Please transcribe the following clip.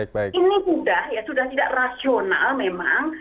ini sudah tidak rasional memang